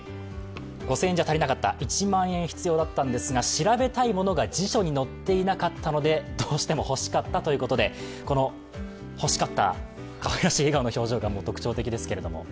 ５０００円じゃ足りなかった、１万円必要だったんですが調べたいものが辞書に載っていなかったのでどうしても欲しかったということでかわいらしい笑顔が特徴ですけど。